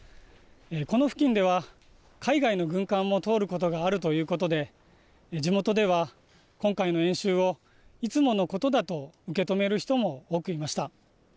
この付近では、海外の軍艦も通ることがあるということで、地元では、今回の演習をいつものことだと受け止める人も多くいました。